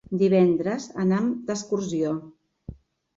Divendres anam d'excursió.